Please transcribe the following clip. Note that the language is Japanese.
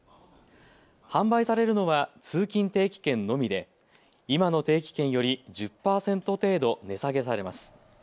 販売されるのは通勤定期券のみで今の定期券より１０％程度値下げされます。